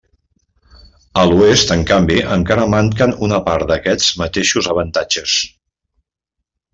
A l'Oest, en canvi, encara manquen una part d'aquests mateixos avantatges.